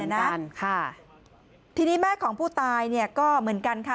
นั่นค่ะทีนี้แม่ของผู้ตายเนี่ยก็เหมือนกันค่ะ